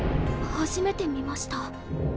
初めて見ました。